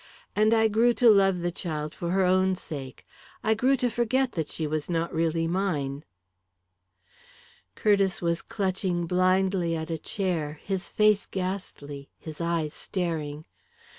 And I grew to love the child for her own sake I grew to forget that she was not really mine " Curtiss was clutching blindly at a chair, his face ghastly, his eyes staring.